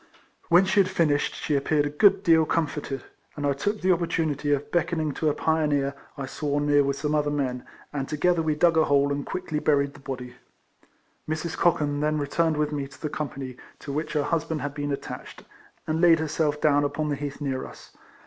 When she had finished she appeared a good deal comforted, and I took the opportunity of beckoning to a pioneer I saw near with some other men, and together we dug a hole, and quickly buried the body. Mrs. Cochan then re turned with me to the company to which her husband had been attached, and laid herself down upon the heath near us.